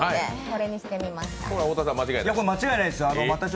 これ間違いないですよ。